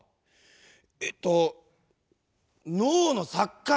えっと脳の錯覚！